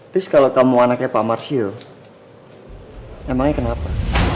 terus kalau kamu anaknya pak marsil emangnya kenapa